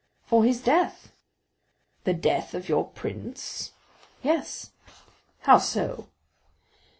"For his death." "The death of your prince?" "Yes." "How so?"